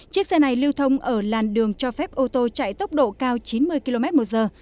chiếc xe này lưu thông ở làn đường cho phép ô tô chạy tốc độ cao chín mươi km một giờ